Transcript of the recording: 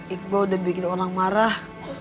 iqbal udah bikin orang marah